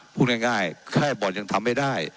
พูดง่ายแค่บ่อนยังทำไม่ได้